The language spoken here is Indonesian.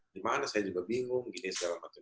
di mana saya juga bingung gini segala macam